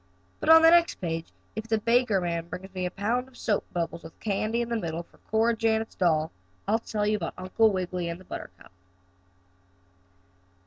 But on the next page, if the baker man brings me a pound of soap bubbles with candy in the middle for Cora Janet's doll, I'll tell you about Uncle Wiggily and the buttercup.